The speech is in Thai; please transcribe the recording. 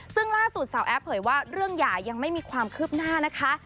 ซึ่งล่าสุดสาวแอฟเผยว่าเรื่องหย่ายังไม่มีความคืบหน้านะคะ